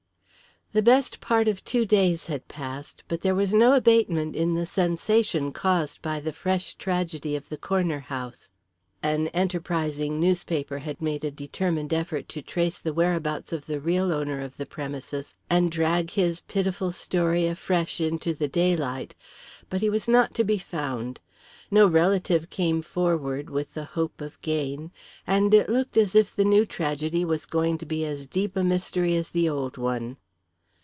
The best part of two days had passed, but there was no abatement in the sensation caused by the fresh tragedy of the corner house. An enterprising newspaper had made a determined effort to trace the whereabouts of the real owner of the premises and drag his pitiful story afresh into the daylight, but he was not to be found. No relative came forward with the hope of gain. And it looked as if the new tragedy was going to be as deep a mystery as the old one.